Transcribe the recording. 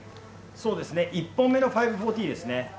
そうですね、１本目の５４０ですね。